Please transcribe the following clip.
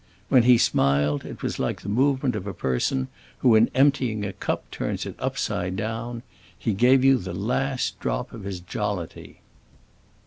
When he smiled, it was like the movement of a person who in emptying a cup turns it upside down: he gave you the last drop of his jollity.